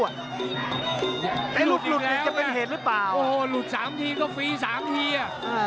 ไอ้หลุดเนี่ยจะเป็นเหตุหรือเปล่าโอ้โหหลุดสามทีก็ฟรีสามทีอ่ะ